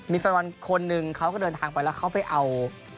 มีแฟนบอลคนหนึ่งเขาก็เดินทางไปแล้วเขาไปเอา